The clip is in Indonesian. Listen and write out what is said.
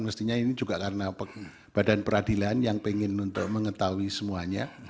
mestinya ini juga karena badan peradilan yang pengen untuk mengetahui semuanya